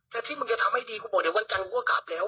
แต่ที่มึงจะทำให้ดีกูหมดเดี๋ยววันจันทร์กูก็กลับแล้ว